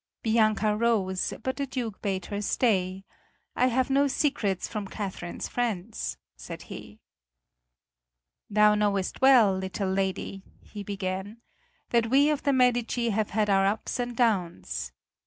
Bianca rose, but the Duke bade her stay. "I have no secrets from Catherine's friends," said he. "Thou knowest well, little lady," he began, "that we of the Medici have had our ups and downs.